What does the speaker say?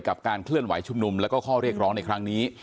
การเคลื่อนไหวชุมนุมแล้วก็ข้อเรียกร้องในครั้งนี้